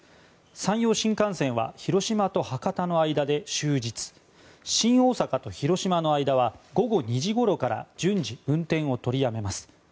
山陽新幹線は広島と博多の間で終日新大阪と広島の間は午後２時ごろから順次、運転を取りやめます。